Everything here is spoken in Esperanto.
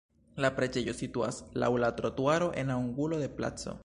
La preĝejo situas laŭ la trotuaro en angulo de placo.